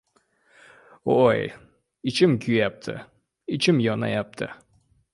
«O‘-o‘y, ichim kuyayapti, ichim yonayapti».